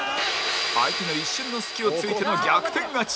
相手の一瞬の隙をついての逆転勝ち